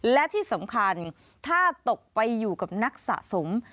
และที่สำคัญถ้าตกไปอยู่กับนักสะสม